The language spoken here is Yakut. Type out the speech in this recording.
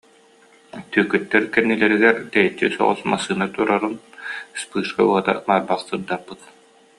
Түөкүттэр кэнни- лэригэр тэйиччи соҕус массыына турарын вспышка уота барбах сырдаппыт